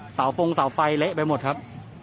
มันก็ไม่ต่างจากที่นี่นะครับ